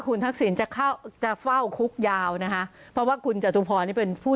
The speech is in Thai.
คุณทักษิณจะเข้าจะเฝ้าคุกยาวนะคะเพราะว่าคุณจตุพรนี่เป็นผู้